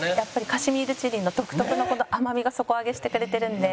カシミールチリの独特のこの甘みが底上げしてくれてるんで。